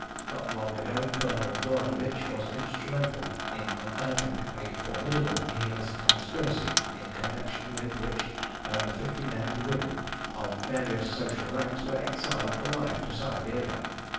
Not long ago Colonel Dornovitch was instrumental in unearthing a formidable Nihilist conspiracy, in connection with which over fifty men and women of various social ranks were exiled for life to Siberia.